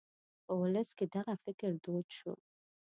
په ولس کې دغه فکر دود شو.